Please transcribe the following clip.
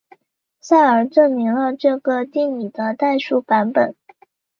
塞尔证明了这个定理的代数版本。